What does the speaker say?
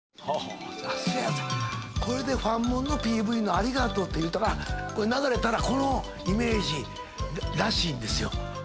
これでファンモンのＰＶの『ありがとう』っていう歌が流れたらこのイメージらしいんですよ。